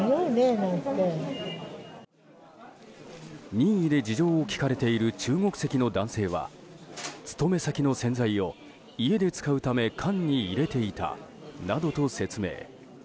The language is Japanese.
任意で事情を聴かれている中国籍の男性は勤め先の洗剤を家で使うため缶に入れていたなどと説明。